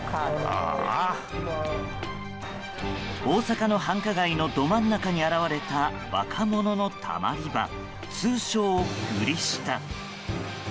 大阪の繁華街のど真ん中に現れた若者のたまり場通称、グリ下。